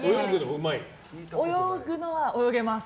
泳ぐのは泳げます。